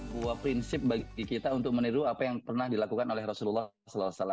sebuah prinsip bagi kita untuk meniru apa yang pernah dilakukan oleh rasulullah saw